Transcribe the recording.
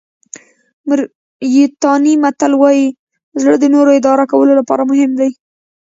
موریتاني متل وایي زړه د نورو اداره کولو لپاره مهم دی.